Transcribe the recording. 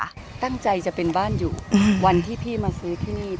ตั้งใจจะเป็นบ้านอยู่วันที่พี่มาซื้อที่นี่